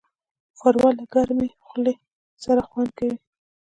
ښوروا له ګرمې خولې سره خوند کوي.